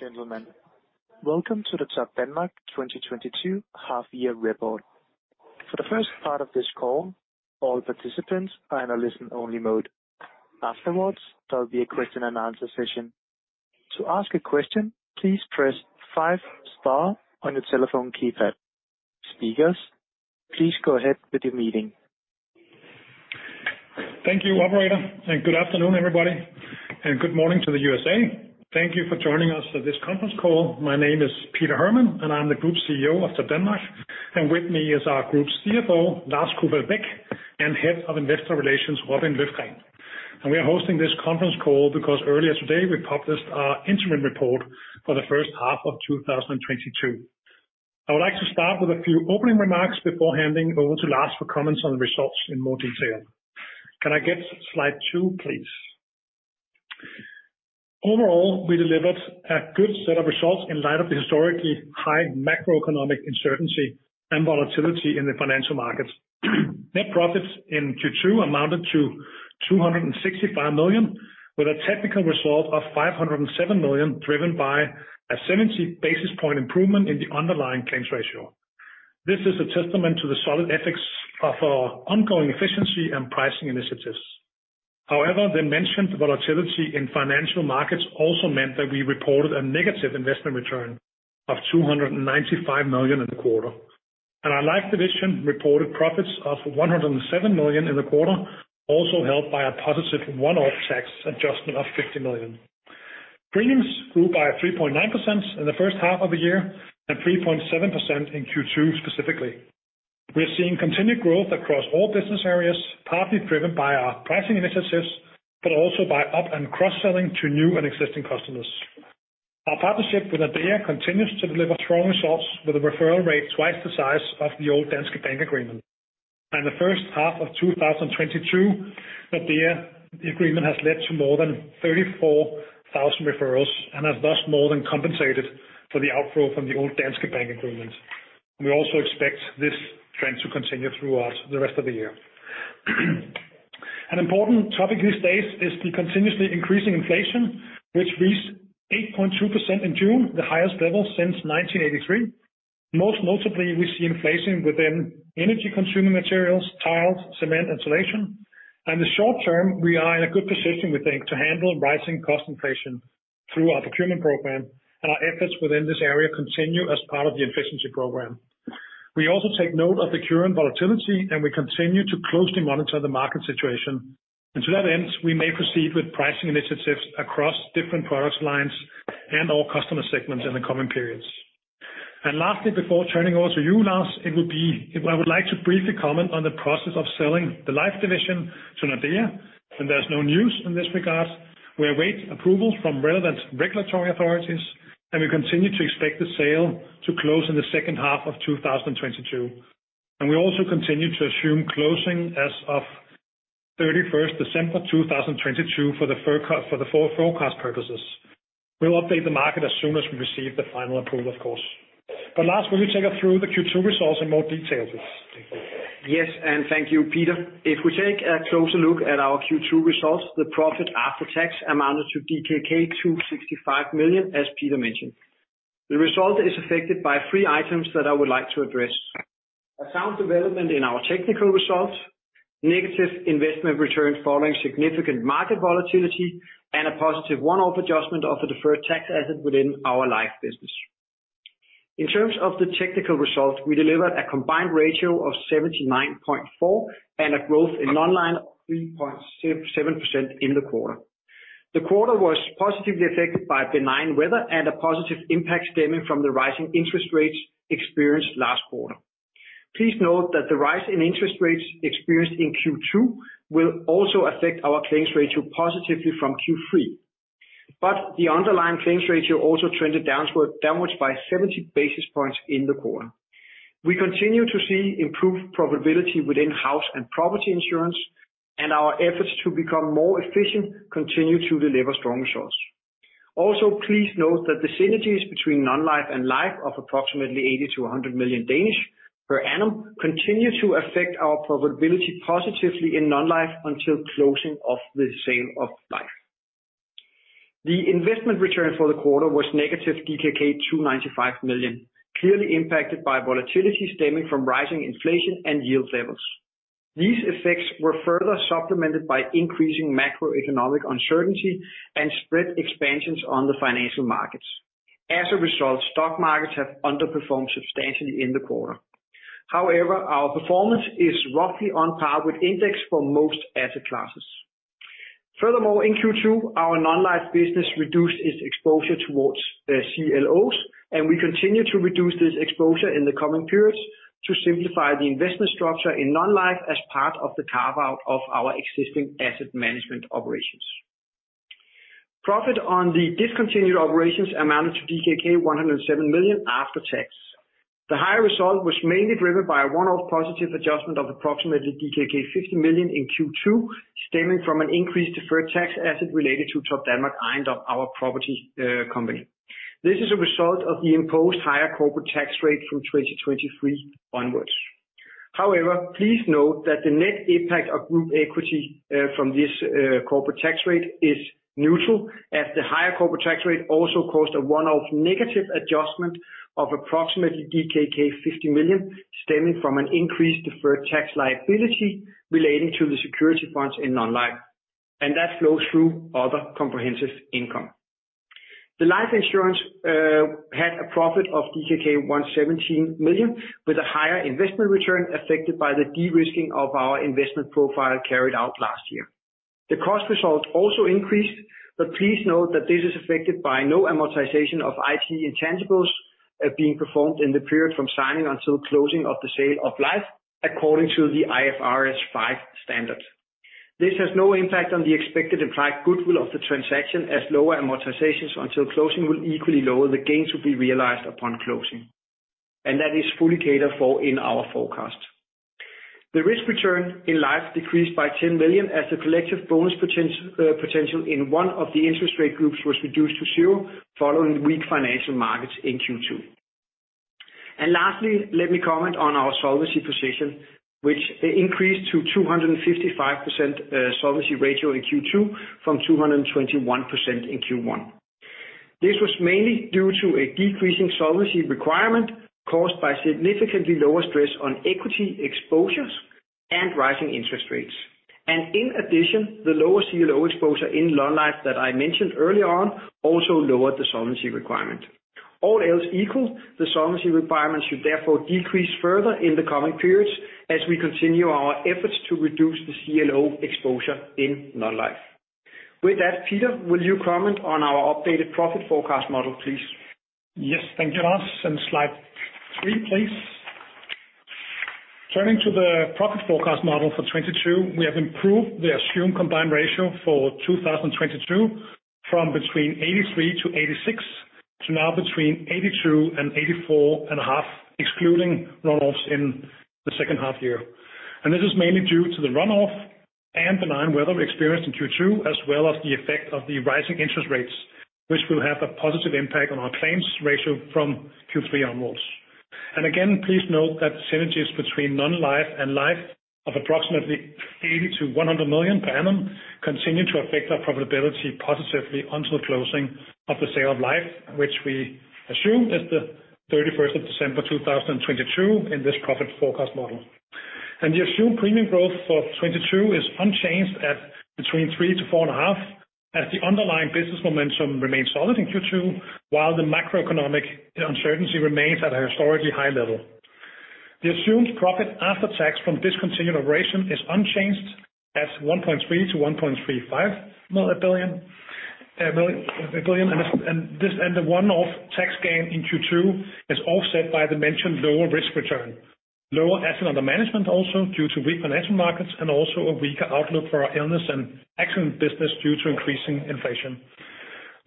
Gentlemen, welcome to the Topdanmark 2022 half year report. For the first part of this call, all participants are in a listen only mode. Afterwards, there'll be a question-and-answer session. To ask a question, please press five star on your telephone keypad. Speakers, please go ahead with your meeting. Thank you operator, and good afternoon, everybody, and good morning to the USA. Thank you for joining us at this conference call. My name is Peter Hermann, and I'm the Group CEO of Topdanmark, and with me is our Group CFO, Lars Kufall Beck, and Head of Investor Relations, Robin Hjelgaard Løfgren. We are hosting this conference call because earlier today we published our interim report for the first half of 2022. I would like to start with a few opening remarks before handing over to Lars for comments on the results in more detail. Can I get slide 2, please? Overall, we delivered a good set of results in light of the historically high macroeconomic uncertainty and volatility in the financial markets. Net profits in Q2 amounted to 265 million, with a technical result of 507 million, driven by a 70 basis point improvement in the underlying claims ratio. This is a testament to the solid ethics of our ongoing efficiency and pricing initiatives. However, the mentioned volatility in financial markets also meant that we reported a negative investment return of 295 million in the quarter. Our life division reported profits of 107 million in the quarter, also helped by a positive one-off tax adjustment of 50 million. Premiums grew by 3.9% in the first half of the year and 3.7% in Q2 specifically. We're seeing continued growth across all business areas, partly driven by our pricing initiatives, but also by up and cross-selling to new and existing customers. Our partnership with Nordea continues to deliver strong results with a referral rate twice the size of the old Danske Bank agreement. In the first half of 2022, Nordea agreement has led to more than 34,000 referrals and have thus more than compensated for the outflow from the old Danske Bank agreement. We also expect this trend to continue throughout the rest of the year. An important topic these days is the continuously increasing inflation, which reached 8.2% in June, the highest level since 1983. Most notably, we see inflation within energy-consuming materials, tiles, cement, insulation. In the short term, we are in a good position, we think, to handle rising cost inflation through our procurement program, and our efforts within this area continue as part of the efficiency program. We also take note of the current volatility, and we continue to closely monitor the market situation. To that end, we may proceed with pricing initiatives across different product lines and all customer segments in the coming periods. Lastly, before turning over to you, Lars, I would like to briefly comment on the process of selling the life division to Nordea, and there's no news in this regard. We await approvals from relevant regulatory authorities, and we continue to expect the sale to close in the second half of 2022. We also continue to assume closing as of 31 December 2022 for the forecast purposes. We'll update the market as soon as we receive the final approval, of course. Lars, will you take us through the Q2 results in more detail please? Yes, thank you, Peter. If we take a closer look at our Q2 results, the profit after tax amounted to DKK 265 million, as Peter mentioned. The result is affected by three items that I would like to address. A sound development in our technical results, negative investment return following significant market volatility, and a positive one-off adjustment of the deferred tax asset within our life business. In terms of the technical results, we delivered a combined ratio of 79.4 and a growth in non-life of 3.7% in the quarter. The quarter was positively affected by benign weather and a positive impact stemming from the rising interest rates experienced last quarter. Please note that the rise in interest rates experienced in Q2 will also affect our claims ratio positively from Q3. The underlying claims ratio also trended downward by 70 basis points in the quarter. We continue to see improved profitability within house and property insurance, and our efforts to become more efficient continue to deliver strong results. Also, please note that the synergies between non-life and life of approximately 80-100 million per annum continue to affect our profitability positively in non-life until closing of the sale of life. The investment return for the quarter was negative DKK 295 million, clearly impacted by volatility stemming from rising inflation and yield levels. These effects were further supplemented by increasing macroeconomic uncertainty and spread expansions on the financial markets. As a result, stock markets have underperformed substantially in the quarter. However, our performance is roughly on par with index for most asset classes. Furthermore, in Q2, our non-life business reduced its exposure towards CLOs, and we continue to reduce this exposure in the coming periods to simplify the investment structure in non-life as part of the carve-out of our existing asset management operations. Profit on the discontinued operations amounted to DKK 107 million after tax. The higher result was mainly driven by a one-off positive adjustment of approximately DKK 50 million in Q2, stemming from an increased deferred tax asset related to Topdanmark Ejendom, our property company. This is a result of the imposed higher corporate tax rate from 2023 onwards. However, please note that the net impact of group equity from this corporate tax rate is neutral as the higher corporate tax rate also caused a one-off negative adjustment of approximately DKK 50 million, stemming from an increased deferred tax liability relating to the securities funds in non-life. That flows through other comprehensive income. The life insurance had a profit of DKK 117 million, with a higher investment return affected by the de-risking of our investment profile carried out last year. The cost results also increased, but please note that this is affected by no amortization of IT intangibles being performed in the period from signing until closing of the sale of life according to the IFRS 5 standard. This has no impact on the expected implied goodwill of the transaction, as lower amortizations until closing will equally lower the gains will be realized upon closing. That is fully catered for in our forecast. The risk return in life decreased by 10 million as the collective bonus potential in one of the interest rate groups was reduced to zero following weak financial markets in Q2. Lastly, let me comment on our solvency position, which increased to 255% solvency ratio in Q2 from 221% in Q1. This was mainly due to a decreasing solvency requirement caused by significantly lower stress on equity exposures and rising interest rates. In addition, the lower CLO exposure in non-life that I mentioned earlier on also lowered the solvency requirement. All else equal, the solvency requirement should therefore decrease further in the coming periods as we continue our efforts to reduce the CLO exposure in non-life. With that, Peter, will you comment on our updated profit forecast model, please? Yes. Thank you, Lars. Slide 3, please. Turning to the profit forecast model for 2022, we have improved the assumed combined ratio for 2022 from between 83%-86% to now between 82%-84.5%, excluding run-offs in the second half year. This is mainly due to the run-off and benign weather experienced in Q2, as well as the effect of the rising interest rates, which will have a positive impact on our claims ratio from Q3 onwards. Again, please note that synergies between non-life and life of approximately 80-100 million per annum continue to affect our profitability positively until closing of the sale of life, which we assume is the 31st of December 2022 in this profit forecast model. The assumed premium growth for 2022 is unchanged at between 3%-4.5%, as the underlying business momentum remains solid in Q2 while the macroeconomic uncertainty remains at a historically high level. The assumed profit after tax from discontinued operation is unchanged at 1.3 million-1.35 million. This, and the one-off tax gain in Q2 is offset by the mentioned lower risk return. Lower assets under management also due to weak financial markets and also a weaker outlook for our Illness and Accident business due to increasing inflation.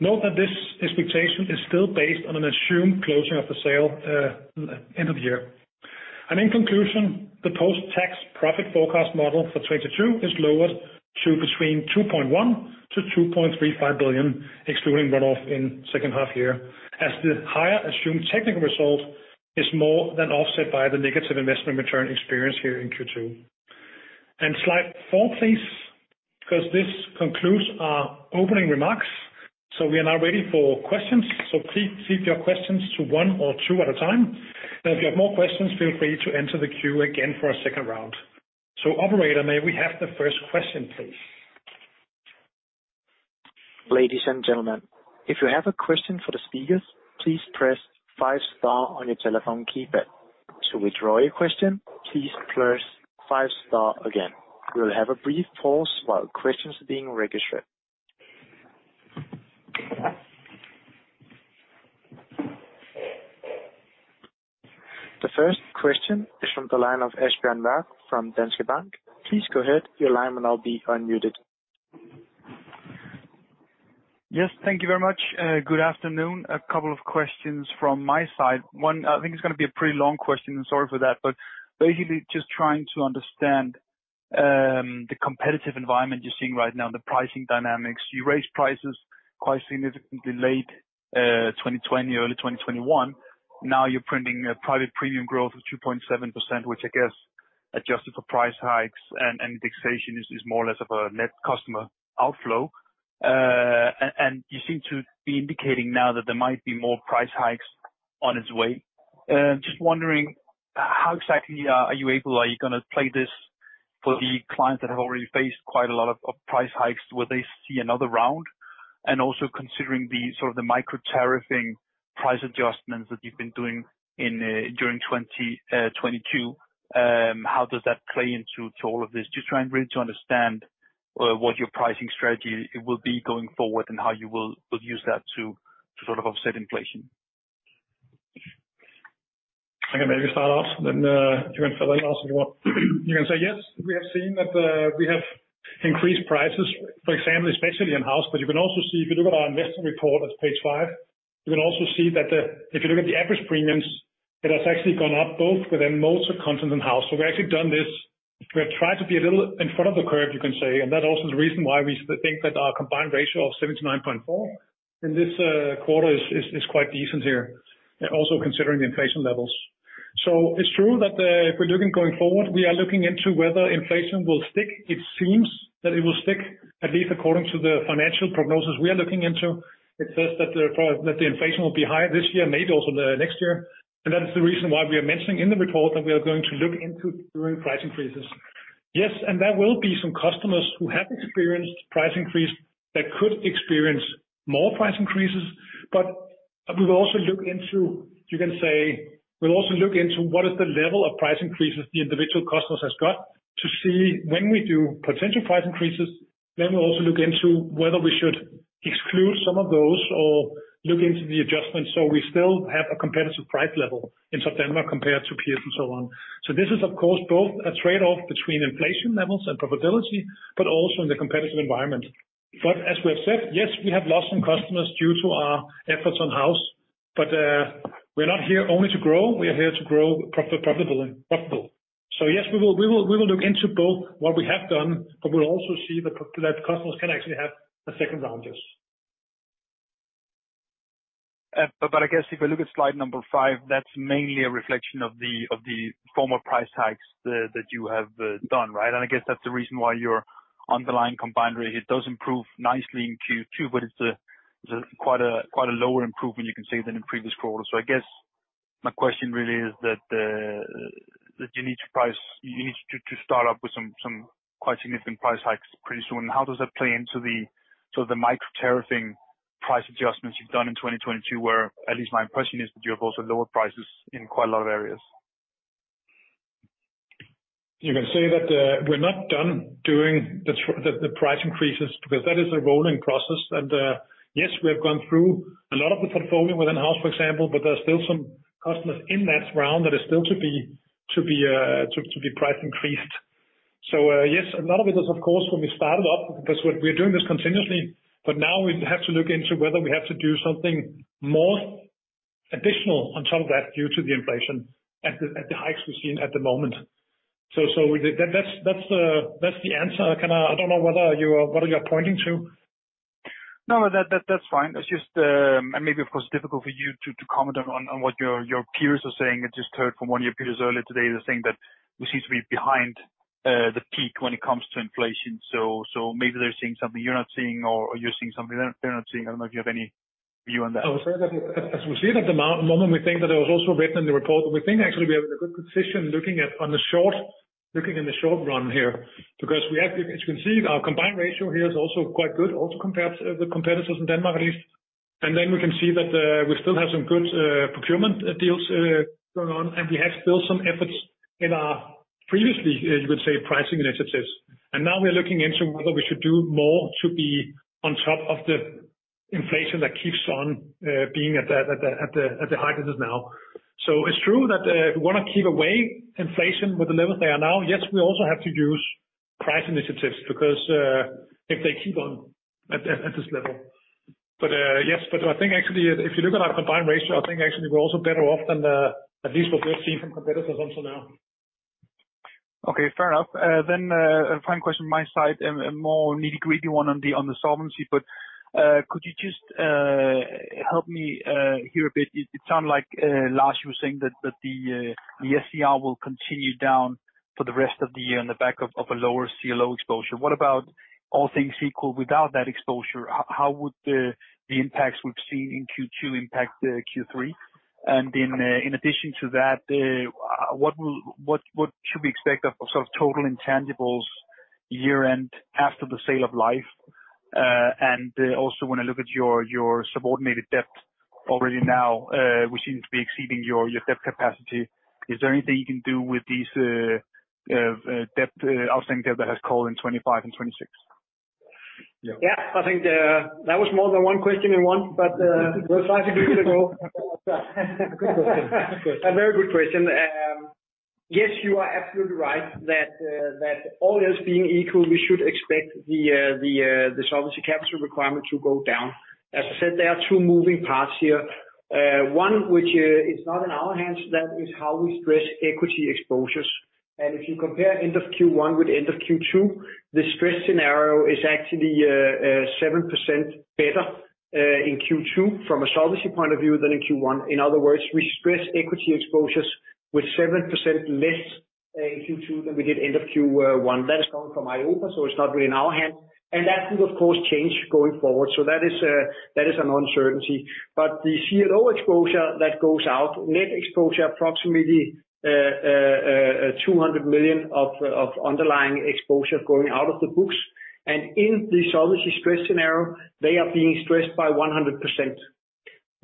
Note that this expectation is still based on an assumed closure of the sale end of the year. In conclusion, the post-tax profit forecast model for 2022 is lowered to between 2.1 billion-2.35 billion, excluding run-off in second half year, as the higher assumed technical result is more than offset by the negative investment return experience here in Q2. Slide 4, please. Because this concludes our opening remarks. We are now ready for questions. Keep your questions to one or two at a time. If you have more questions, feel free to enter the queue again for a second round. Operator, may we have the first question, please? Ladies and gentlemen, if you have a question for the speakers, please press five star on your telephone keypad. To withdraw your question, please press five star again. We will have a brief pause while questions are being registered. The first question is from the line of Asbjørn Mørk from Danske Bank. Please go ahead. Your line will now be unmuted. Yes, thank you very much. Good afternoon. A couple of questions from my side. One, I think it's gonna be a pretty long question, and sorry for that. Basically, just trying to understand the competitive environment you're seeing right now, the pricing dynamics. You raised prices quite significantly late 2020, early 2021. Now you're printing a private premium growth of 2.7%, which I guess adjusted for price hikes and indexation is more or less of a net customer outflow. You seem to be indicating now that there might be more price hikes on its way. Just wondering how exactly are you gonna play this for the clients that have already faced quite a lot of price hikes? Will they see another round? also considering sort of the micro-tariffing price adjustments that you've been doing during 2022, how does that play into all of this? Just trying really to understand what your pricing strategy will be going forward and how you will use that to sort of offset inflation. I can maybe start off then, you can fill it in, Lars, if you want. You can say, yes, we have seen that, we have increased prices, for example, especially in-house. You can also see if you look at our investment report on page 5, you can also see that if you look at the average premiums, it has actually gone up both within motor, content, and house. We've actually done this. We have tried to be a little in front of the curve, you can say, and that also is the reason why we think that our combined ratio of 79.4 in this quarter is quite decent here. Also considering the inflation levels. It's true that, if we're looking going forward, we are looking into whether inflation will stick. It seems that it will stick, at least according to the financial prognosis we are looking into. It says that the inflation will be higher this year, maybe also the next year. That is the reason why we are mentioning in the report that we are going to look into doing price increases. Yes, there will be some customers who have experienced price increase that could experience more price increases. We will also look into, you can say, we'll also look into what is the level of price increases the individual customers has got to see when we do potential price increases, then we'll also look into whether we should exclude some of those or look into the adjustments, so we still have a competitive price level in South Denmark compared to peers and so on. This is of course both a trade-off between inflation levels and profitability, but also in the competitive environment. As we have said, yes, we have lost some customers due to our efforts on house, but we're not here only to grow, we are here to grow profitably. Yes, we will look into both what we have done, but we'll also see the prospect that customers can actually have a second round, yes. I guess if I look at slide number 5, that's mainly a reflection of the former price hikes that you have done, right? I guess that's the reason why your underlying combined ratio, it does improve nicely in Q2, but it's quite a lower improvement you can say than in previous quarters. I guess my question really is that you need to start up with some quite significant price hikes pretty soon. How does that play into the sort of the micro-tariffing price adjustments you've done in 2022, where at least my impression is that you have also lowered prices in quite a lot of areas. You can say that we're not done doing the price increases because that is a rolling process. Yes, we have gone through a lot of the portfolio in-house, for example, but there are still some customers in that round that are still to be price increased. Yes, a lot of it is of course, when we started up, because we're doing this continuously, but now we have to look into whether we have to do something more additional on top of that due to the inflation and the hikes we've seen at the moment. That's the answer. I don't know whether you are, what are you pointing to? No, that's fine. It's just, and maybe, of course, difficult for you to comment on what your peers are saying. I just heard from one of your peers earlier today, they're saying that we seem to be behind the peak when it comes to inflation. Maybe they're seeing something you're not seeing or you're seeing something they're not seeing. I don't know if you have any view on that. I will say that as we see it at the moment, we think that it was also written in the report. We think actually we have a good position looking in the short run here. Because we have, as you can see, our combined ratio here is also quite good, also compares to the competitors in Denmark at least. We can see that we still have some good procurement deals going on, and we have still some efforts in our previously, you could say, pricing initiatives. Now we are looking into whether we should do more to be on top of the inflation that keeps on being at the height it is now. It's true that, if we wanna keep away inflation with the levels they are now, yes, we also have to use price initiatives because, if they keep on at this level. Yes, but I think actually if you look at our combined ratio, I think actually we're also better off than, at least what we have seen from competitors until now. Okay. Fair enough. A final question from my side and a more nitty-gritty one on the solvency. Could you just help me here a bit? It sounded like Lars was saying that the SCR will continue down for the rest of the year on the back of a lower CLO exposure. What about all things equal without that exposure? How would the impacts we've seen in Q2 impact Q3? In addition to that, what should we expect of total intangibles year-end after the sale of Life? Also when I look at your subordinated debt already now, which seems to be exceeding your debt capacity, is there anything you can do with this outstanding debt that has call in 2025 and 2026? Yeah. Yeah. I think, that was more than one question in one, but we're happy to go. Good question. A very good question. Yes, you are absolutely right that all else being equal, we should expect the solvency capital requirement to go down. As I said, there are two moving parts here. One which is not in our hands, that is how we stress equity exposures. If you compare end of Q1 with end of Q2, the stress scenario is actually 7% better in Q2 from a solvency point of view than in Q1. In other words, we stress equity exposures with 7% less in Q2 than we did end of Q1. That is coming from EIOPA, so it's not really in our hands. That will of course change going forward. That is an uncertainty. The CLO exposure that goes out, net exposure approximately, 200 million of underlying exposure going out of the books. In the solvency stress scenario, they are being stressed by 100%.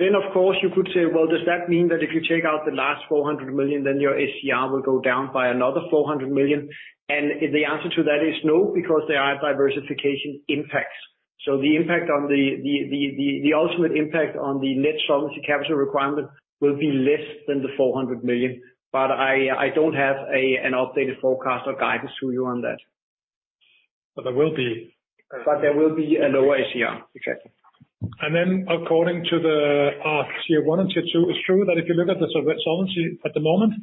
Of course you could say, well, does that mean that if you take out the last 400 million, then your SCR will go down by another 400 million? The answer to that is no, because there are diversification impacts. The impact on the ultimate impact on the net solvency capital requirement will be less than the 400 million. I don't have an updated forecast or guidance to you on that. There will be. There will be a lower SCR. Exactly. According to the Tier 1 and Tier 2, it's true that if you look at the solvency at the moment,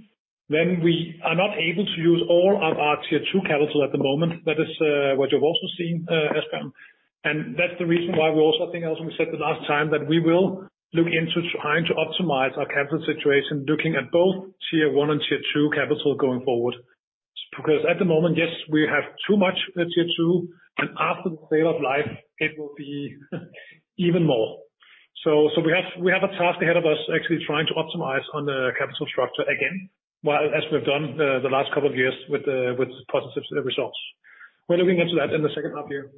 then we are not able to use all our Tier 2 capital at the moment. That is what you've also seen, Asbjørn. That's the reason why we're also thinking, as we said the last time, that we will look into trying to optimize our capital situation, looking at both Tier 1 and Tier 2 capital going forward. Because at the moment, yes, we have too much at Tier 2, and after the sale of Life, it will be even more. We have a task ahead of us actually trying to optimize on the capital structure again, while as we've done the last couple of years with positive results. We're looking into that in the second half year.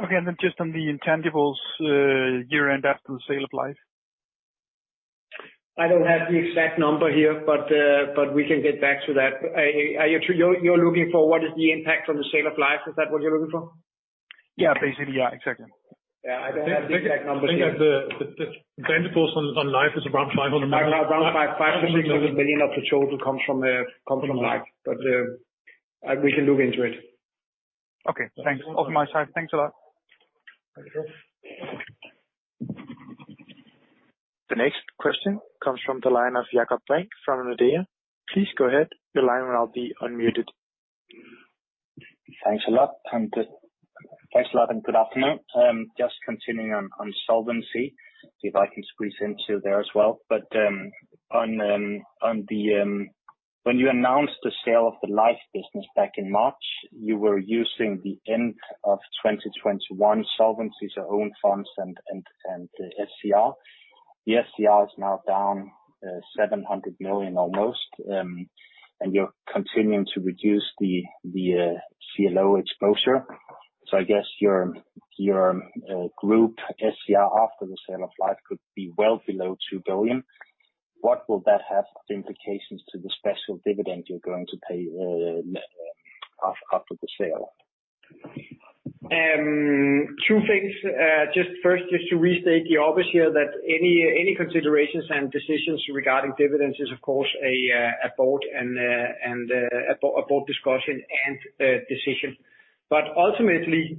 Okay. Just on the intangibles, year-end after the sale of Life. I don't have the exact number here, but we can get back to that. You're looking for what is the impact on the sale of Life? Is that what you're looking for? Yeah. Basically, yeah. Exactly. Yeah. I don't have the exact numbers here. The intangibles on Life is around 500 million. Around 500 million of the total comes from Life. We can look into it. Okay. Thanks. Over my side. Thanks a lot. Thank you. The next question comes from the line of Jakob Brink from Nordea. Please go ahead. Your line will now be unmuted. Thanks a lot, and good afternoon. Just continuing on solvency, see if I can squeeze in there as well. When you announced the sale of the Life business back in March, you were using the end of 2021 solvency own funds and the SCR. The SCR is now down almost 700 million, and you're continuing to reduce the CLO exposure. I guess your group SCR after the sale of Life could be well below 2 billion. What will that have implications to the special dividend you're going to pay after the sale? Two things. Just to restate the obvious here that any considerations and decisions regarding dividends is of course a board discussion and decision. Ultimately,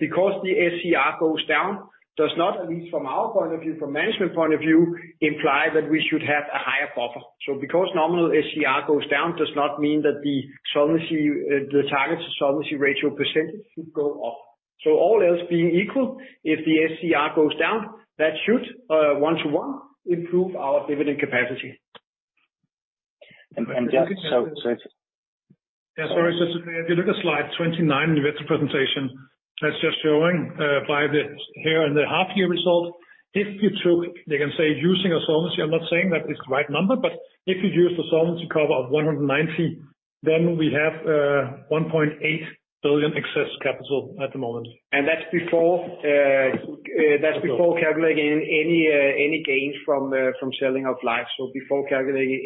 because the SCR goes down does not, at least from our point of view, from management point of view, imply that we should have a higher buffer. Because nominal SCR goes down does not mean that the solvency, the target solvency ratio percentage should go up. All else being equal, if the SCR goes down, that should one to one improve our dividend capacity. Just so it's Yeah, sorry. If you look at slide 29 investor presentation, that's just showing by the end of the half-year result. If you take, one can say using a solvency, I'm not saying that it's the right number, but if you use the solvency cover of 190%, then we have 1.8 billion excess capital at the moment. That's before calculating any gains from selling of Life. Before calculating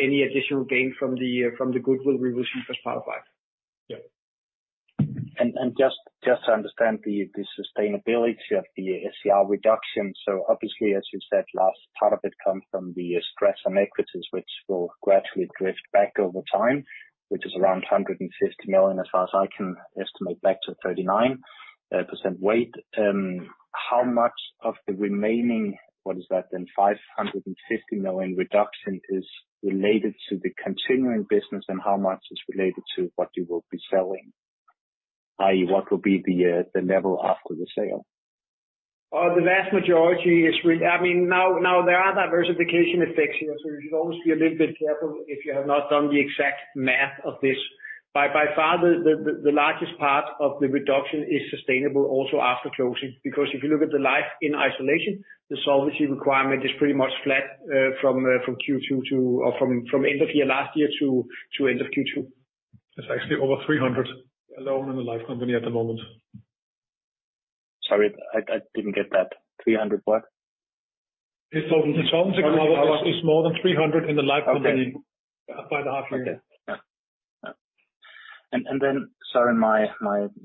any additional gain from the goodwill we received as part of Life. Yeah. Just to understand the sustainability of the SCR reduction. Obviously, as you said last, part of it comes from the stress on equities, which will gradually drift back over time, which is around 150 million, as far as I can estimate, back to 39% weight. How much of the remaining, what is that then, 550 million reduction is related to the continuing business, and how much is related to what you will be selling? I.e., what will be the level after the sale? I mean, now there are diversification effects here, so you should always be a little bit careful if you have not done the exact math of this. By far, the largest part of the reduction is sustainable also after closing. Because if you look at the Life in isolation, the solvency requirement is pretty much flat, from end of year last year to end of Q2. It's actually over 300 alone in the Life company at the moment. Sorry, I didn't get that. 300 what? The solvency is more than 300% in the Life company by the half year. Okay. Yeah. Yeah. Then, sorry, my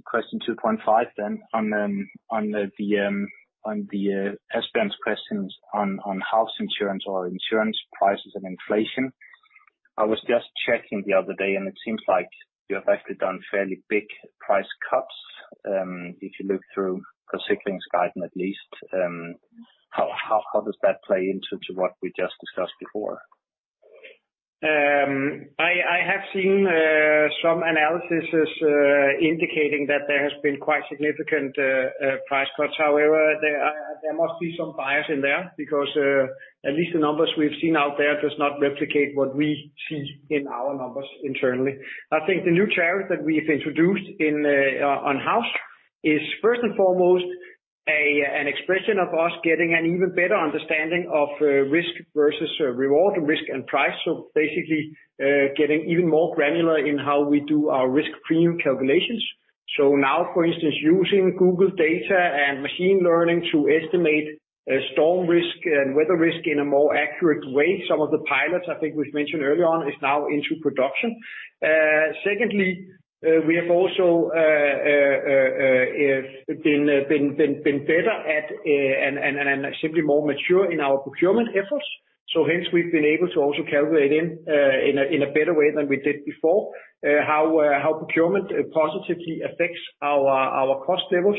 question 2.5 then on Asbjørn's questions on house insurance or insurance prices and inflation. I was just checking the other day, and it seems like you have actually done fairly big price cuts, if you look through the cyclical guidance at least. How does that play into what we just discussed before? I have seen some analyses indicating that there has been quite significant price cuts. However, there must be some bias in there because at least the numbers we've seen out there does not replicate what we see in our numbers internally. I think the new tariff that we've introduced in-house is first and foremost an expression of us getting an even better understanding of risk versus reward, risk and price. Basically, getting even more granular in how we do our risk premium calculations. Now, for instance, using Google data and machine learning to estimate storm risk and weather risk in a more accurate way. Some of the pilots, I think we've mentioned earlier on, is now into production. Secondly, we have also been better at and simply more mature in our procurement efforts. Hence, we've been able to also calculate in a better way than we did before how procurement positively affects our cost levels.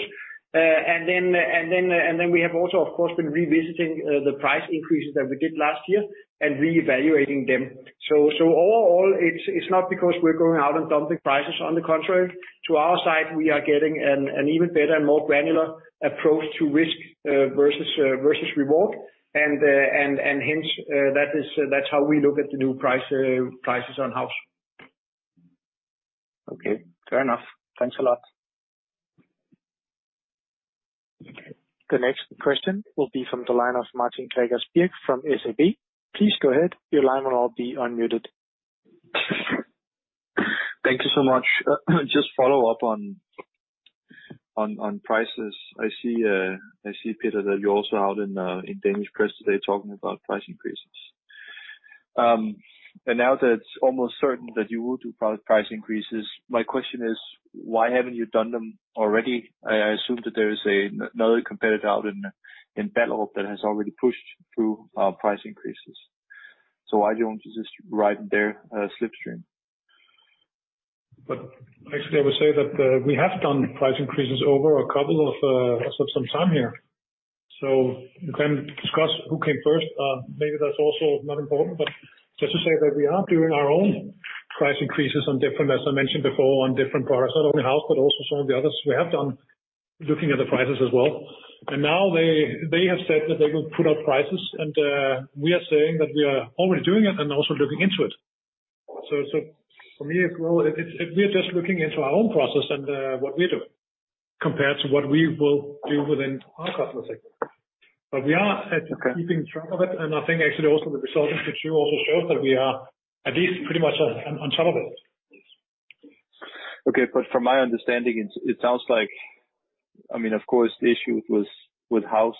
We have also, of course, been revisiting the price increases that we did last year and reevaluating them. Overall, it's not because we're going out and dumping prices, on the contrary. From our side, we are getting an even better, more granular approach to risk versus reward. Hence, that is how we look at the new prices on house. Okay. Fair enough. Thanks a lot. The next question will be from the line of Martin Gregers Birk from SEB. Please go ahead, your line will now be unmuted. Thank you so much. Just follow up on prices. I see, Peter, that you're also out in Danish press today talking about price increases. Now that it's almost certain that you will do product price increases, my question is, why haven't you done them already? I assume that there is another competitor out in battle that has already pushed through price increases. Why don't you just ride their slipstream? Actually, I would say that we have done price increases over a couple of some time here. You can discuss who came first. Maybe that's also not important. Just to say that we are doing our own price increases on different, as I mentioned before, on different products. Not only house, but also some of the others we have done looking at the prices as well. Now they have said that they will put up prices, and we are saying that we are already doing it and also looking into it. For me, well, it's we are just looking into our own process and what we're doing compared to what we will do within our customer segment. We are keeping track of it, and I think actually also the results that you also showed that we are at least pretty much on top of it. From my understanding it sounds like I mean, of course the issue was with house.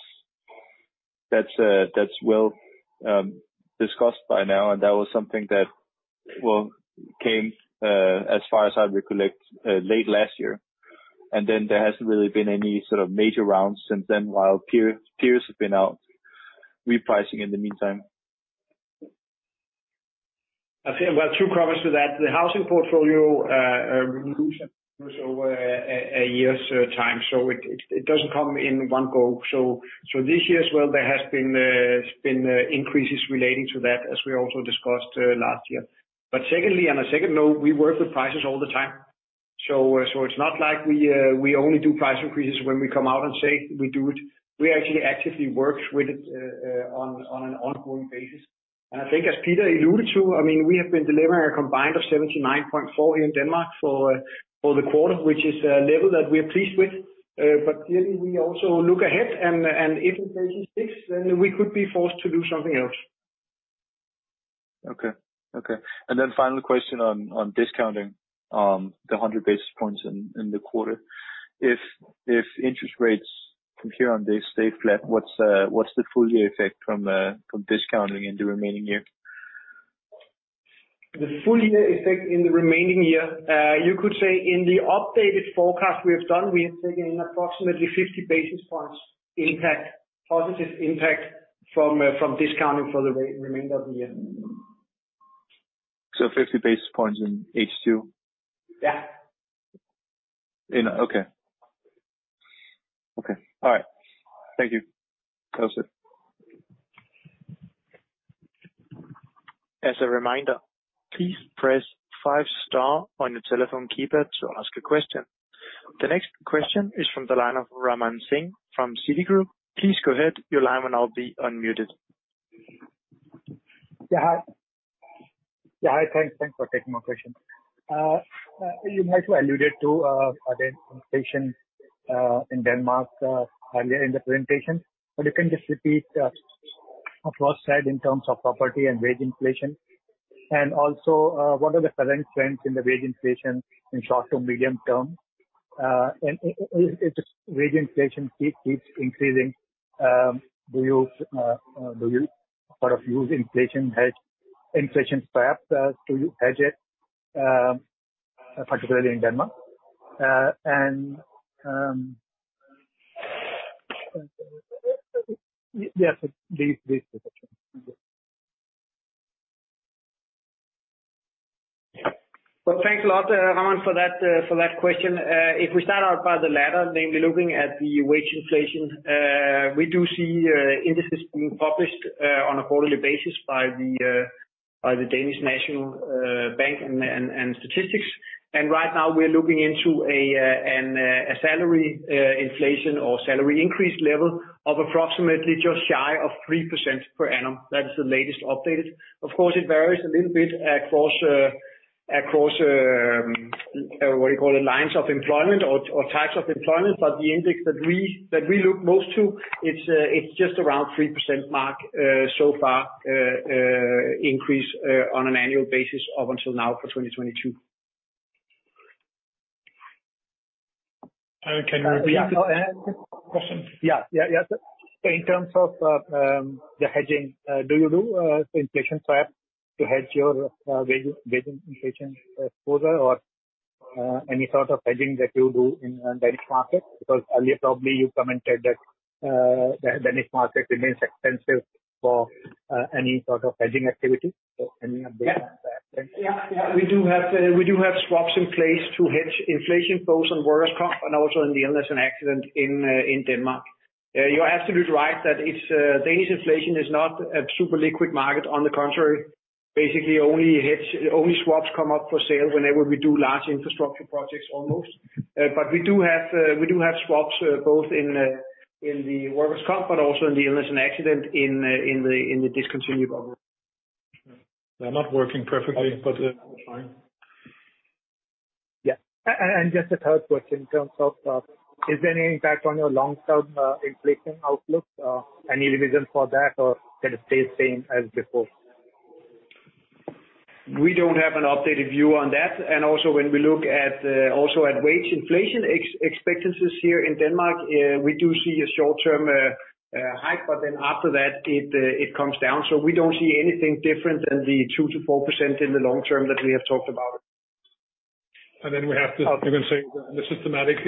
That's well discussed by now, and that was something that came as far as I recollect late last year. Then there hasn't really been any sort of major rounds since then, while peers have been out repricing in the meantime. I think we have two comments to that. The housing portfolio reduces over a year's time, so it doesn't come in one go. This year as well, there has been increases relating to that as we also discussed last year. Secondly, on a second note, we work with prices all the time. It's not like we only do price increases when we come out and say we do it. We actually actively work with it on an ongoing basis. I think as Peter alluded to, I mean, we have been delivering a combined ratio of 79.4% here in Denmark for the quarter, which is a level that we're pleased with. Clearly we also look ahead and if the case is this, then we could be forced to do something else. Okay. Final question on discounting, the 100 basis points in the quarter. If interest rates from here on stay flat, what's the full year effect from discounting in the remaining year? The full year effect in the remaining year, you could say in the updated forecast we have done, we have taken approximately 50 basis points impact, positive impact from discounting for the remainder of the year. 50 basis points in H2? Yeah. Okay. All right. Thank you. That's it. As a reminder, please press five star on your telephone keypad to ask a question. The next question is from the line of Raman Singh from Citigroup. Please go ahead, your line will now be unmuted. Hi. Thanks for taking my question. You might have alluded to inflation in Denmark earlier in the presentation, but you can just repeat across the board in terms of property and wage inflation. What are the current trends in the wage inflation in short to medium term? If wage inflation keeps increasing, do you sort of use inflation hedge, inflation perhaps, to hedge it, particularly in Denmark? Yes, please. Well, thanks a lot, Raman for that question. If we start out by the latter, namely looking at the wage inflation, we do see indices being published on a quarterly basis by the Danmarks Nationalbank and Statistics Denmark. Right now, we're looking into a salary inflation or salary increase level of approximately just shy of 3% per annum. That's the latest updated. Of course, it varies a little bit across what do you call it? Lines of employment or types of employment. But the index that we look most to, it's just around 3% mark so far increase on an annual basis up until now for 2022. Can we- Yeah. -question? Yeah. In terms of the hedging, do you do inflation prep to hedge your wage inflation exposure or any sort of hedging that you do in Danish market? Because earlier probably you commented that the Danish market remains expensive for any sort of hedging activity. Any update on that? Thanks. Yeah. We do have swaps in place to hedge inflation both on workers' compensation and also in the illness and accident in Denmark. You are absolutely right that its Danish inflation is not a super liquid market. On the contrary, basically only swaps come up for sale whenever we do large infrastructure projects almost. We do have swaps both in the workers' compensation, but also in the illness and accident in the discontinued business. They're not working perfectly, but fine. Yeah. Just a third question in terms of, is there any impact on your long-term, inflation outlook? Any revision for that or can it stay the same as before? We don't have an updated view on that. When we look at wage inflation expectations here in Denmark, we do see a short-term hike, but then after that it comes down. We don't see anything different than the 2%-4% in the long term that we have talked about. We have this, you can say, the systematic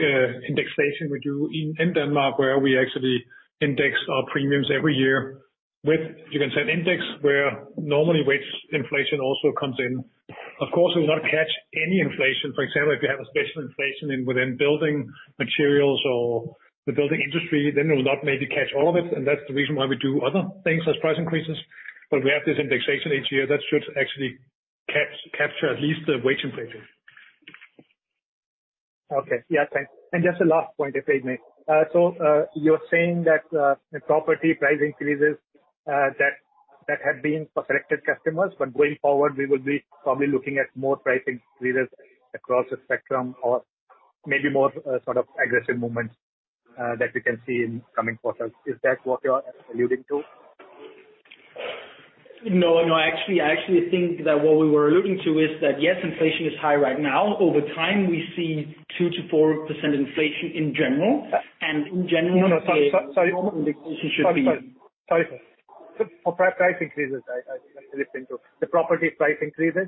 indexation we do in Denmark, where we actually index our premiums every year with, you can say, an index where normally wage inflation also comes in. Of course, we'll not catch any inflation. For example, if you have a special inflation within building materials or the building industry, then we'll not maybe catch all of it, and that's the reason why we do other things as price increases. But we have this indexation each year that should actually capture at least the wage inflation. Okay. Yeah. Thanks. Just the last point, if I may. You're saying that the property price increases that had been for selected customers, but going forward we will be probably looking at more pricing increases across the spectrum or maybe more sort of aggressive movements that we can see in coming quarters. Is that what you're alluding to? No, no. Actually, I actually think that what we were alluding to is that, yes, inflation is high right now. Over time, we see 2%-4% inflation in general. Yeah. In general. No, no. Sorry. Sorry. Normal inflation should be. Sorry for price increases. The property price increases.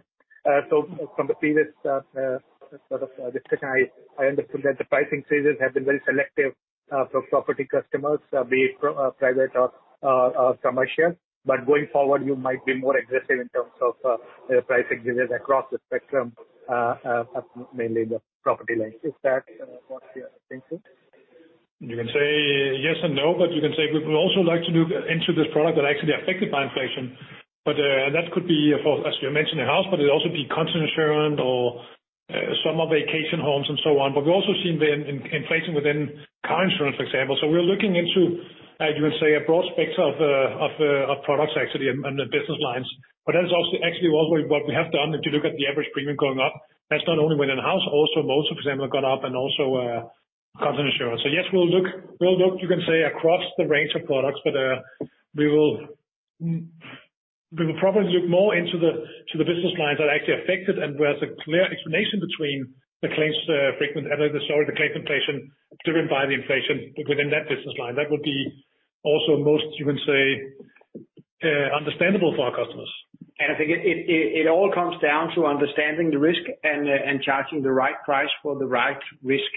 From the previous sort of discussion, I understood that the price increases have been very selective for property customers, be it private or commercial. Going forward you might be more aggressive in terms of price increases across the spectrum, mainly the property line. Is that what you are thinking? You can say yes and no, but you can say we would also like to look into this product that are actually affected by inflation. That could be for, as you mentioned, the house, but it would also be content insurance or, summer vacation homes and so on. We've also seen the inflation within car insurance, for example. We're looking into, you would say a broad spectrum of products actually and the business lines. That is also actually what we have done. If you look at the average premium going up, that's not only within the house, also most other examples have gone up and also, content insurance. Yes, we'll look, you can say across the range of products, but we will probably look more into the business lines that are actually affected and where there's a clear explanation between the claims frequency and the sort of claim inflation driven by the inflation within that business line. That would be also most, you can say, understandable for our customers. I think it all comes down to understanding the risk and charging the right price for the right risk.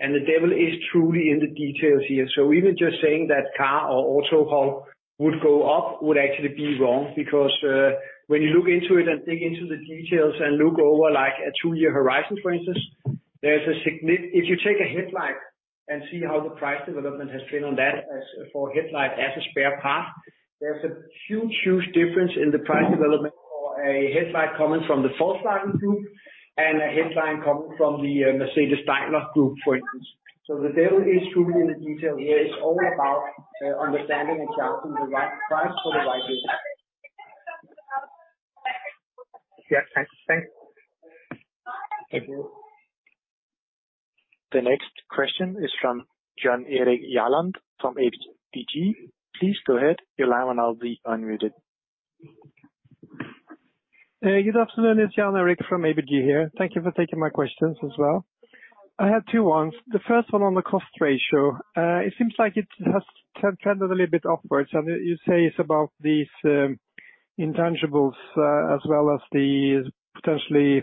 The devil is truly in the details here. Even just saying that car or auto would go up would actually be wrong because when you look into it and dig into the details and look over like a two-year horizon, for instance, if you take a headlight and see how the price development has been on that as a headlight as a spare part, there's a huge difference in the price development for a headlight coming from the Volkswagen Group and a headlight coming from the Mercedes-Benz Group, for instance. The devil is truly in the detail here. It's all about understanding and charging the right price for the right risk. Yeah. Thanks. Thanks. Thank you. The next question is from Jan Erik Gjerland from ABG Sundal Collier. Please go ahead. Your line will now be unmuted. Good afternoon. It's Jan Erik from ABG Sundal Collier here. Thank you for taking my questions as well. I had two ones. The first one on the cost ratio. It seems like it has trended a little bit upwards. You say it's about these intangibles as well as the potentially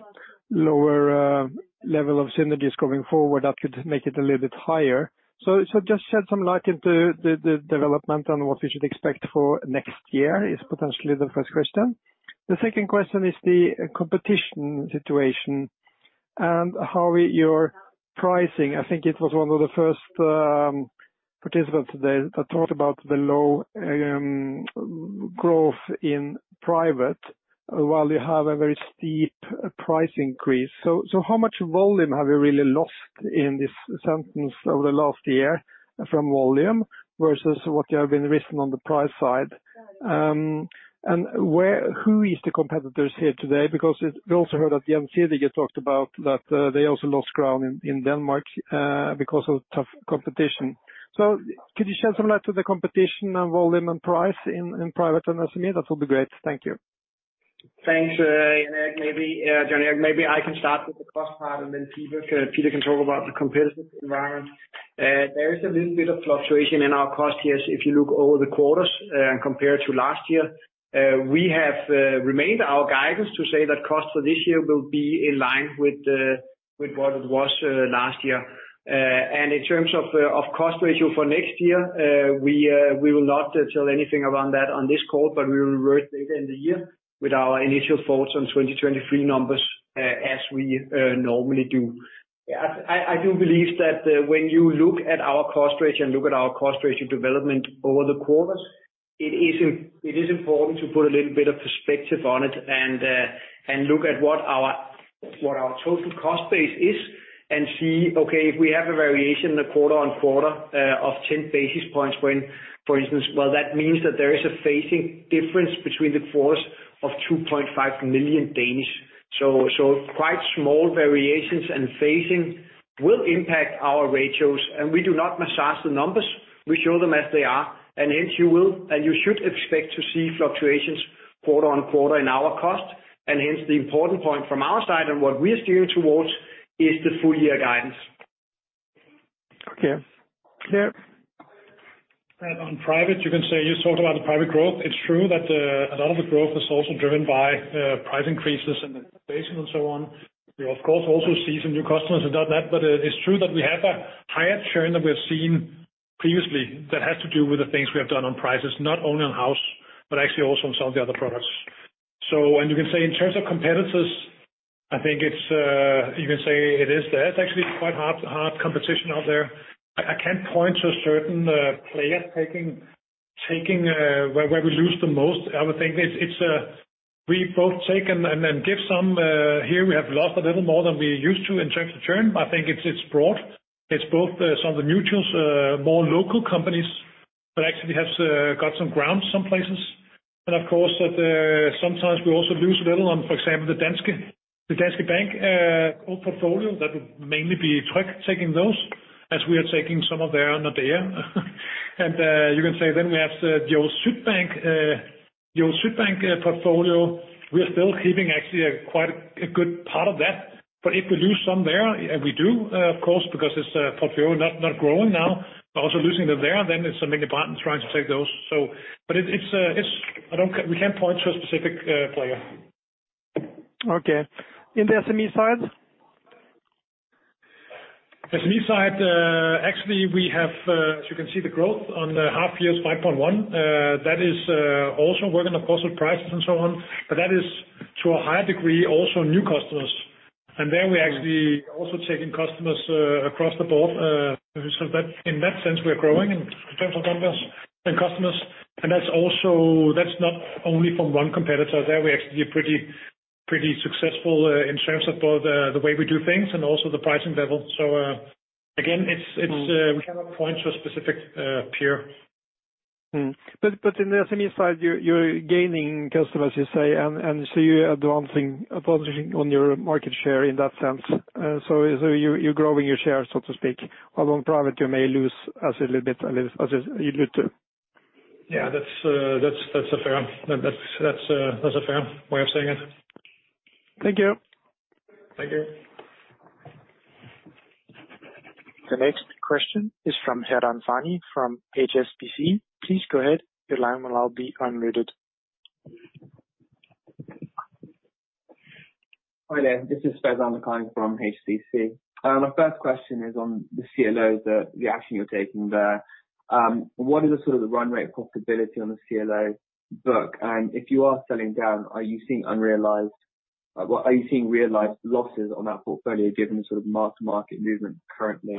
lower level of synergies going forward that could make it a little bit higher. Just shed some light into the development on what we should expect for next year is potentially the first question. The second question is the competition situation and how your pricing. I think it was one of the first participants today that talked about the low growth in private while you have a very steep price increase. How much volume have you really lost in this segment over the last year from volume versus what you have been raising on the price side? And who is the competitors here today? Because we also heard that the MC that you talked about, that they also lost ground in Denmark because of tough competition. Could you shed some light on the competition on volume and price in private and SME? That would be great. Thank you. Thanks, maybe, Jan Erik. Maybe I can start with the cost part, and then Peter can talk about the competitive environment. There is a little bit of fluctuation in our cost, yes. If you look over the quarters, compared to last year, we have remained our guidance to say that cost for this year will be in line with what it was last year. In terms of cost ratio for next year, we will not tell anything around that on this call, but we will revert later in the year with our initial thoughts on 2023 numbers as we normally do. I do believe that when you look at our cost ratio and look at our cost ratio development over the quarters, it is important to put a little bit of perspective on it and look at what our total cost base is and see, okay, if we have a variation quarter-over-quarter of 10 basis points when, for instance, well, that means that there is a phasing difference between the quarters of 2.5 million. Quite small variations and phasing will impact our ratios, and we do not massage the numbers. We show them as they are. Hence you will, and you should expect to see fluctuations quarter-over-quarter in our cost. Hence the important point from our side, and what we are steering towards is the full year guidance. Okay. Clear. On private, you can say you talked about the private growth. It's true that a lot of the growth is also driven by price increases and the base and so on. We, of course, also see some new customers and done that. It's true that we have a higher churn than we've seen previously. That has to do with the things we have done on prices, not only on house, but actually also on some of the other products. You can say in terms of competitors, I think it's you can say it is. There's actually quite hard competition out there. I can't point to a certain player taking where we lose the most. I would think it's we both take and give some. Here we have lost a little more than we used to in terms of churn. I think it's broad. It's both some of the mutuals, more local companies, but actually has gained some ground in some places. Of course that sometimes we also lose a little on, for example, the Danske Bank old portfolio. That would mainly be Tryg taking those as we are taking some of theirs in return. You can say then we have the old Sydbank portfolio. We're still keeping actually a quite good part of that. But if we lose some there, and we do, of course, because it's a portfolio not growing now, but also losing them there, then it's something important, trying to take those. We can't point to a specific player. Okay. In the SME side? SME side, actually we have, as you can see the growth on the half-year is 0.1%. That is also working across with prices and so on. That is to a high degree also new customers. There we actually also taking customers across the board. That in that sense, we're growing in terms of numbers and customers. That's also not only from one competitor. There we're actually pretty successful in terms of both the way we do things and also the pricing level. Again, it's we cannot point to a specific peer. In the SME side, you're gaining customers, you say, and so you're advancing on your market share in that sense. You're growing your share, so to speak. Although in private you may lose a little bit, a little as you allude to. Yeah. That's a fair way of saying it. Thank you. Thank you. The next question is from Faizan Lakhani from HSBC. Please go ahead. Your line will now be unmuted. Hi there. This is Faizan Lakhani from HSBC. My first question is on the CLOs, the action you're taking there. What is the sort of the run rate profitability on the CLO book? And if you are selling down, are you seeing realized losses on that portfolio given the sort of mark-to-market movement currently?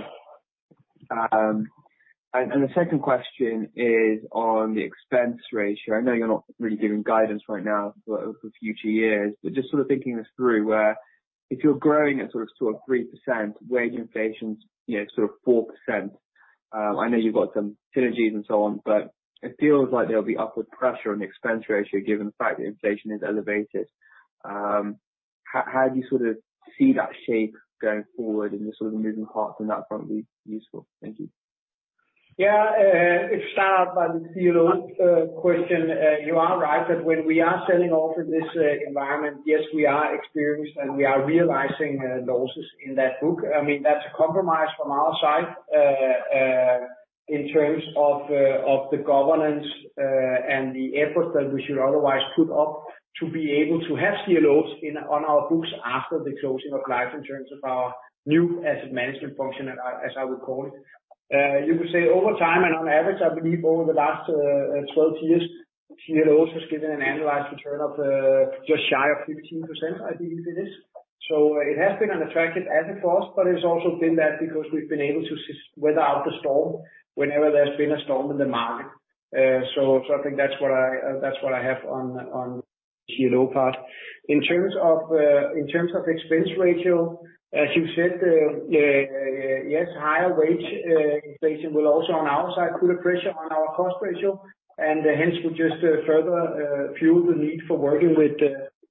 The second question is on the expense ratio. I know you're not really giving guidance right now for future years, but just sort of thinking this through, where if you're growing at sort of 2 or 3% wage inflations, you know, sort of 4%, I know you've got some synergies and so on, but it feels like there'll be upward pressure on the expense ratio given the fact that inflation is elevated. How do you sort of see that shape going forward and the sort of moving parts in that front be useful? Thank you. I'll start by the CLO question. You are right that when we are selling off in this environment, yes, we are experiencing and we are realizing losses in that book. I mean, that's a compromise from our side in terms of the governance and the effort that we should otherwise put up to be able to have CLOs on our books after the closing of life in terms of our new asset management function, as I would call it. You could say over time and on average, I believe over the last 12 years, CLOs has given an annualized return of just shy of 15%, I believe it is. It has been an attractive asset for us, but it's also been that because we've been able to weather out the storm whenever there's been a storm in the market. I think that's what I have on CLO part. In terms of expense ratio, as you said, yes, higher wage inflation will also on our side put a pressure on our cost ratio, and hence will just further fuel the need for working with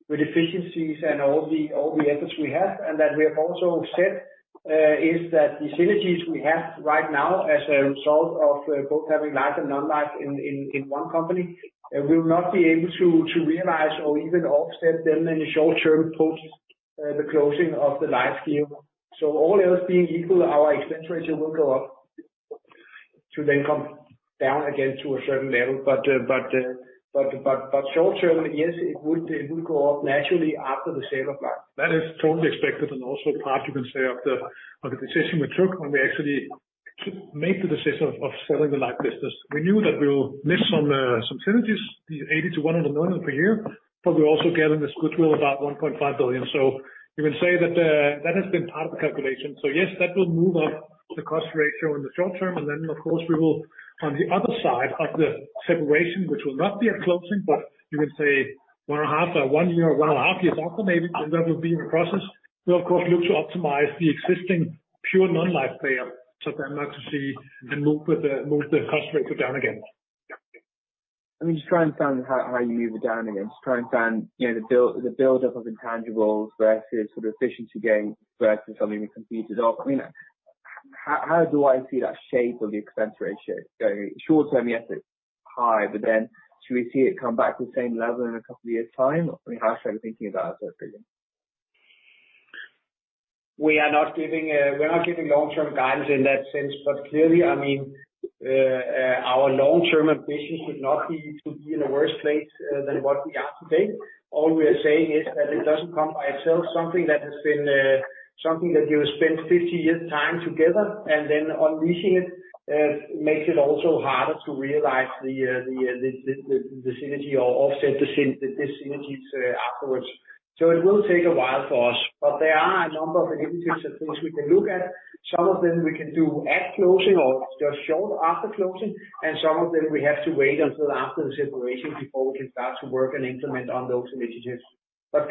efficiencies and all the efforts we have. That we have also said is that the synergies we have right now as a result of both having life and non-life in- In one company, and we will not be able to realize or even offset them in the short term post the closing of the Life scheme. All else being equal, our expense ratio will go up to then come down again to a certain level. Short term, yes, it would go up naturally after the sale of Life. That is totally expected, and also part, you can say, of the decision we took when we actually made the decision of selling the Life business. We knew that we'll miss some synergies, the 80-100 million per year, but we're also getting this goodwill about 1.5 billion. You can say that that has been part of the calculation. Yes, that will move up the cost ratio in the short term. Then of course we will, on the other side of the separation, which will not be at closing, but you can say 1.5 or 1 year well after that maybe, that will be in the process. We'll of course look to optimize the existing pure non-life player, so then move the cost ratio down again. I mean, just try and find how you move it down again. Just try and find, you know, the buildup of intangibles versus sort of efficiency gains versus something we can see to do. I mean, how do I see that shape of the expense ratio going? Short term, yes, it's high, but then should we see it come back to the same level in a couple years' time? I mean, how should I be thinking about that figure? We are not giving long-term guidance in that sense. Clearly, our long-term ambition should not be to be in a worse place than what we are today. All we are saying is that it doesn't come by itself, something that you spent 50 years' time together, and then unleashing it makes it also harder to realize the synergy or offset the synergies afterwards. It will take a while for us. There are a number of initiatives and things we can look at. Some of them we can do at closing or just short after closing, and some of them we have to wait until after the separation before we can start to work and implement on those initiatives.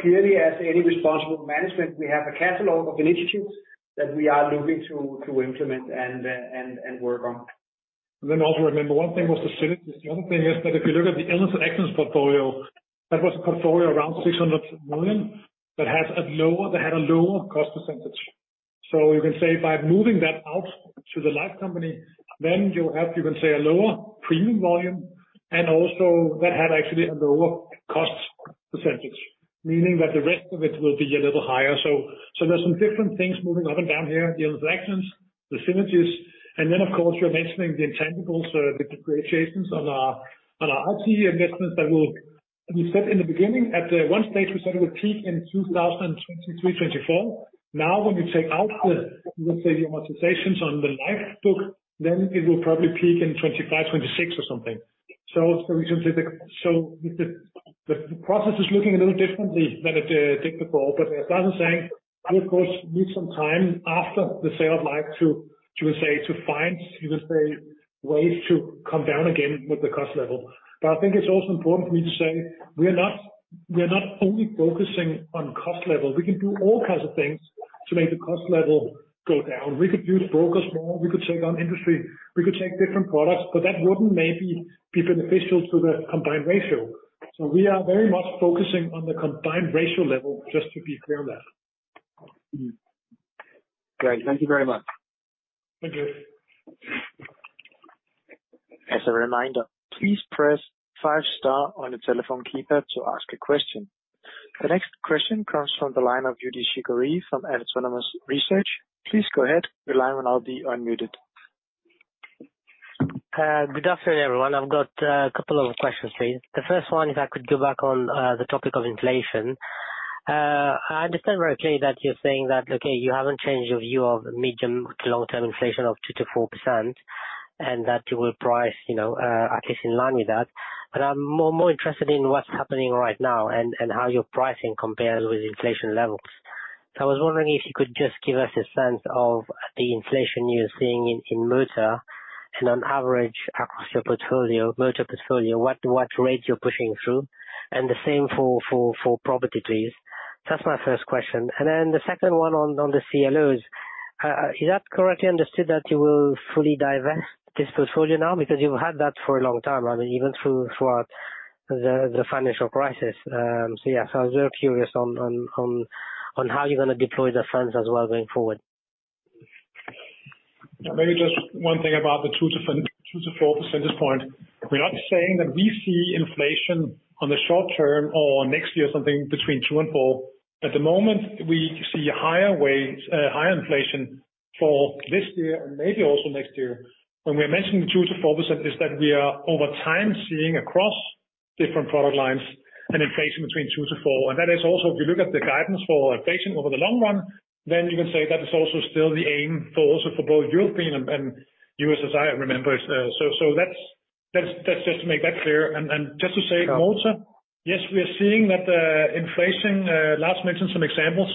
Clearly, as any responsible management, we have a catalog of initiatives that we are looking to implement and work on. Also remember, one thing was the synergies. The other thing is that if you look at the elephants and excellence portfolio, that was a portfolio around 600 million that had a lower cost percentage. You can say by moving that out to the life company, you have a lower premium volume, and also that had actually a lower cost percentage, meaning that the rest of it will be a little higher. So, there's some different things moving up and down here, the transactions, the synergies. Of course you're mentioning the intangibles, the depreciations on our IT investments that will. We said in the beginning, at one stage we said it would peak in 2023, 2024. Now when we take out the, let's say the amortizations on the life book, then it will probably peak in 2025, 2026 or something. The process is looking a little differently than it did before. As Lars is saying, we of course need some time after the sale of life to say, to find, you could say, ways to come down again with the cost level. I think it's also important for me to say we are not only focusing on cost level. We can do all kinds of things to make the cost level go down. We could use brokers more, we could take on industry, we could take different products, but that wouldn't maybe be beneficial to the combined ratio. We are very much focusing on the combined ratio level, just to be clear on that. Great. Thank you very much. Thank you. As a reminder, please press five star on your telephone keypad to ask a question. The next question comes from the line of Youdish Chicooree from Autonomous Research. Please go ahead. Your line will now be unmuted. Good afternoon, everyone. I've got a couple of questions for you. The first one, if I could go back on the topic of inflation. I understand very clearly that you're saying that, okay, you haven't changed your view of medium to long term inflation of 2%-4%, and that you will price, you know, at least in line with that. But I'm more interested in what's happening right now and how your pricing compares with inflation levels. So I was wondering if you could just give us a sense of the inflation you're seeing in motor and on average across your portfolio, motor portfolio, what rates you're pushing through. And the same for property, please. That's my first question. And then the second one on the CLOs. Is that correctly understood that you will fully divest this portfolio now? Because you've had that for a long time, I mean, even throughout the financial crisis. Yeah. I was very curious on how you're gonna deploy the funds as well going forward. Maybe just one thing about the 2-4 percentage point. We're not saying that we see inflation on the short term or next year something between 2 and 4. At the moment, we see higher wage, higher inflation for this year and maybe also next year. When we are mentioning the 2-4% is that we are over time seeing across different product lines an inflation between 2-4. That is also if you look at the guidance for inflation over the long run, then you can say that is also still the aim for also for both European and US as I remember it. That's just to make that clear. Just to say motor. Yes, we are seeing that, inflation. Lars mentioned some examples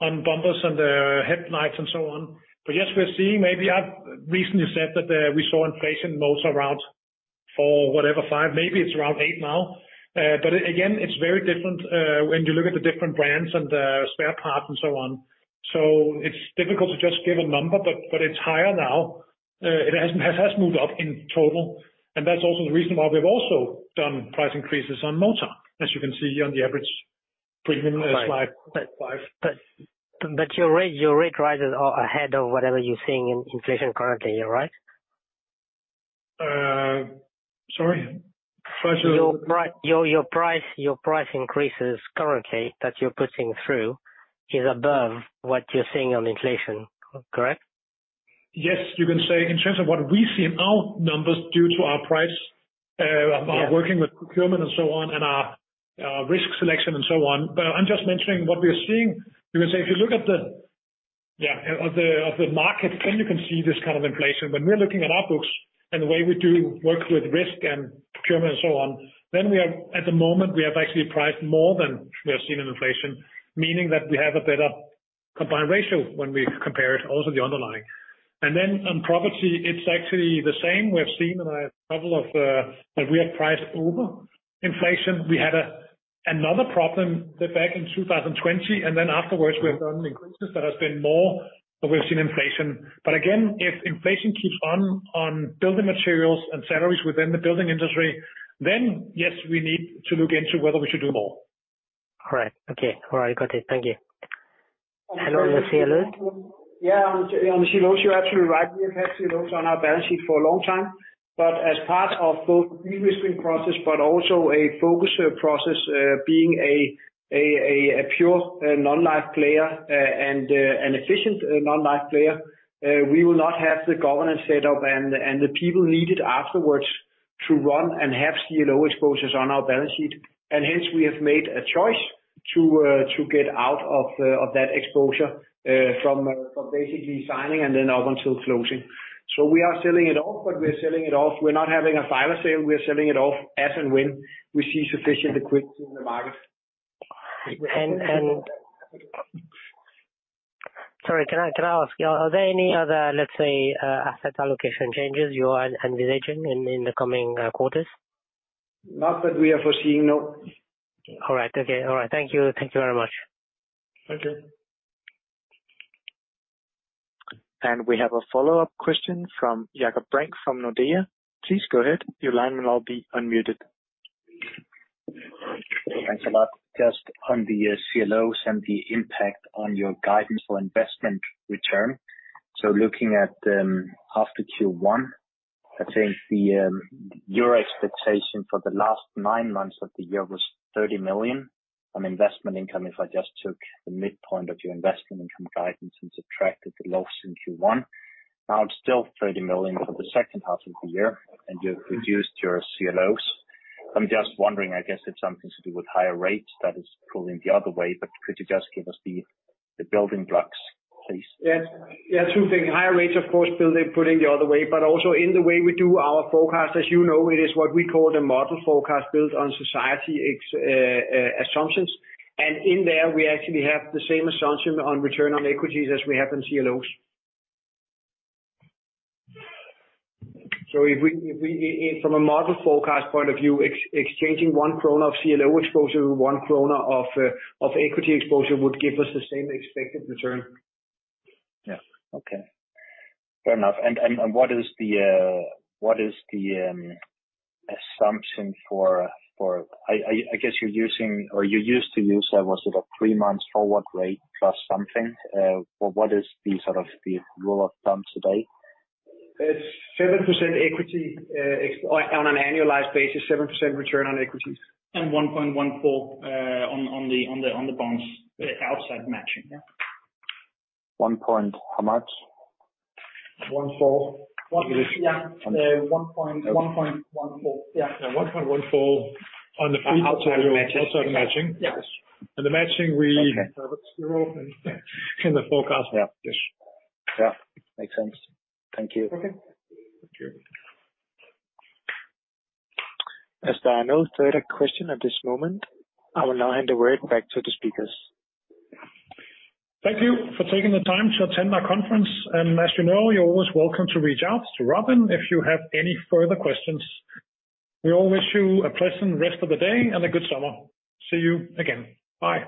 on bumpers and headlights and so on. Yes, we are seeing maybe I've recently said that, we saw inflation in motor around 4%, whatever, 5%, maybe it's around 8% now. Again, it's very different when you look at the different brands and spare parts and so on. So it's difficult to just give a number, but it's higher now. It has moved up in total, and that's also the reason why we've also done price increases on motor, as you can see on the average- Please remember it's live. Your rate rises are ahead of whatever you're seeing in inflation currently, you're right? Sorry. Your price increases currently that you're putting through is above what you're seeing on inflation, correct? Yes, you can say in terms of what we see in our numbers due to our price. Yeah. We are working with procurement and so on, and our risk selection and so on. I'm just mentioning what we are seeing. You can say if you look at the market, then you can see this kind of inflation. When we are looking at our books and the way we do work with risk and procurement and so on, then, at the moment, we have actually priced more than we are seeing in inflation. Meaning that we have a better combined ratio when we compare it also the underlying. Then on property it's actually the same. We have seen in a couple of that we have priced over inflation. We had another problem back in 2020, and then afterwards we have done increases that has been more than we've seen inflation. Again, if inflation keeps on building materials and salaries within the building industry, then yes, we need to look into whether we should do more. All right. Okay. All right, got it. Thank you. Hello. Yeah, on the CLOs, you're absolutely right. We have had CLOs on our balance sheet for a long time. As part of both de-risking process, but also a focus process, being a pure non-life player, and an efficient non-life player, we will not have the governance set up and the people needed afterward to run and have CLO exposures on our balance sheet. Hence we have made a choice to get out of that exposure, from basically signing and then up until closing. We are selling it off, but we're selling it off. We're not having a final sale, we're selling it off as and when we see sufficient equity in the market. Sorry, can I ask, are there any other, let's say, asset allocation changes you are envisioning in the coming quarters? Not that we are foreseeing, no. All right. Okay. All right. Thank you very much. Okay. We have a follow-up question from Jakob Brink from Nordea. Please go ahead. Your line will all be unmuted. Thanks a lot. Just on the CLOs and the impact on your guidance for investment return. Looking at, after Q1, I think the your expectation for the last nine months of the year was 30 million on investment income, if I just took the midpoint of your investment income guidance and subtracted the loss in Q1. Now it's still 30 million for the second half of the year, and you've reduced your CLOs. I'm just wondering, I guess it's something to do with higher rates that is pulling the other way, but could you just give us the the building blocks, please? Yes. Yeah, two things. Higher rates, of course, pulling the other way, but also in the way we do our forecast, as you know, it is what we call the model forecast built on solvency assumptions. In there we actually have the same assumption on return on equities as we have in CLOs. From a model forecast point of view, exchanging 1 krone of CLO exposure to 1 krone of equity exposure would give us the same expected return. Yeah. Okay. Fair enough. What is the assumption for? I guess you're using or you used to use, was it a 3 months forward rate plus something? What is the sort of the rule of thumb today? It's 7% equity on an annualized basis, 7% return on equities. 1.14 on the bonds outside matching. Yeah. 1 point how much? 14. Yeah. 1.14. Yeah. Yeah, 1.14 on the- On the outside matching. Outside the matching. Yes. And the matching we- Okay. have at zero in the forecast. Yeah. Yes. Yeah. Makes sense. Thank you. Okay. Thank you. As there are no further questions at this moment, I will now hand the word back to the speakers. Thank you for taking the time to attend our conference. As you know, you're always welcome to reach out to Robin if you have any further questions. We all wish you a pleasant rest of the day and a good summer. See you again. Bye.